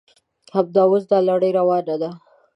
همدا اوس دا لړۍ روانه ده.